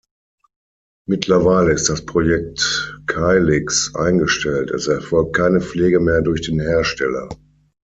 Mittlerweile ist das Projekt Kylix eingestellt, es erfolgt keine Pflege mehr durch den Hersteller.